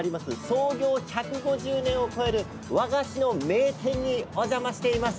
創業１５０年を超える和菓子の名店にお邪魔しています。